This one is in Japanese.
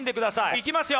いきますよ！